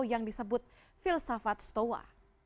yang disebut filsafat stoa